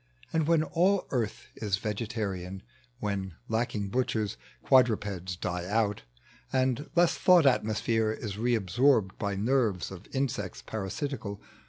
And when all Earth is vegetarian — When, lacking hutchers, quadrupeds die out, And less Thought atmosphere is re aleorbed By neri'es of insects parasitical.